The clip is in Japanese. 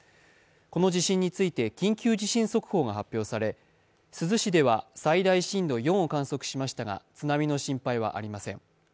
この地震について緊急地震速報が発表され珠洲市では最大震度４を観測されましたが津波の心配はありません。